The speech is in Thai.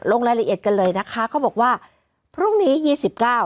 ลงรายละเอียดกันเลยนะคะเขาบอกว่าพรุ่งนี้ยี่สิบเก้า